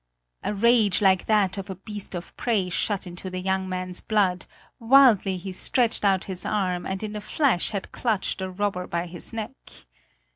A rage like that of a beast of prey shot into the young man's blood; wildly he stretched out his arm and in a flash had clutched the robber by his neck.